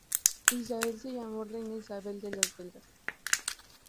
Isabel se llamó Reina Isabel de los Belgas.